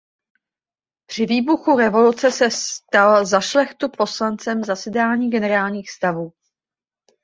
Při výbuchu revoluce se stal za šlechtu poslancem zasedání generálních stavů.